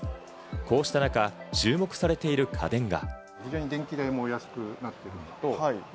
こうした中、注目されている家電が。